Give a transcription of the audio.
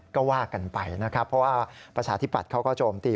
ก็ว่ากันไปนะครับเพราะว่าประชาธิปัตย์เขาก็โจมตี